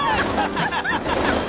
ハハハハッ！